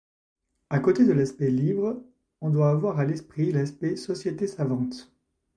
À côté de l'aspect livres, on doit avoir à l'esprit l'aspect sociétés savantes.